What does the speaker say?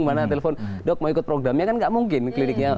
mana telpon dok mau ikut programnya kan gak mungkin kliniknya